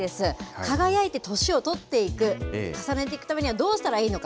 輝いて年を取っていく、重ねていくためにはどうしたらいいのか。